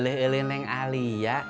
uleh uleh neng ali ya